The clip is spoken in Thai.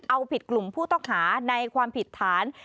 เอาผิดกลุ่มผู้ต้องหาในความผิดฐาน